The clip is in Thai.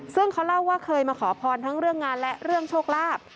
ซึ่งเขาเล่าว่าเคยมาขอพรทั้งเรื่องงานและเรื่องโชคลาภ